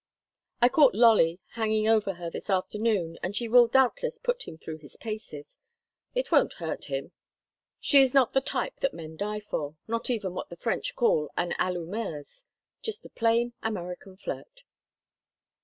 I caught Lolly hanging over her this afternoon, and she will doubtless put him through his paces. It won't hurt him; she is not the type that men die for—not even what the French call an allumeuse—just a plain American flirt."